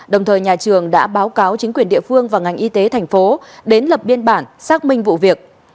đồng thời nhà trường đã báo cáo chính quyền địa phương và ngành y tế thành phố đến lập biên bản xác minh vụ việc